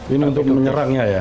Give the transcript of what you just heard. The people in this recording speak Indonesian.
ini untuk menyerangnya ya